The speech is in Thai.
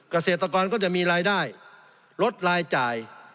เกษตรกรก็จะมีรายได้ลดรายจ่าย